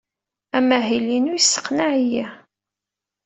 Amahil-inu yesseqnaɛ-iyi.